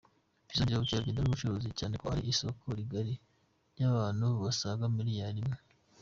Bizongera ubukerarugendo n’ubucuruzi cyane ko ari isoko rigari ry’abantu basaga miliyari imwe”.